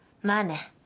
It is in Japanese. まあね。